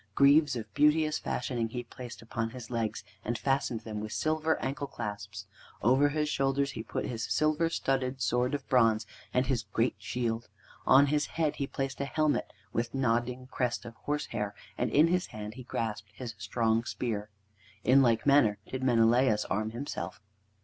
Greaves of beauteous fashioning he placed upon his legs, and fastened them with silver ankle clasps. Over his shoulders he put his silver studded sword of bronze and his great shield. On his head he placed a helmet with nodding crest of horsehair, and in his hand he grasped his strong spear. In like manner did Menelaus arm himself.